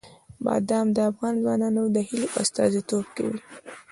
بادام د افغان ځوانانو د هیلو استازیتوب کوي.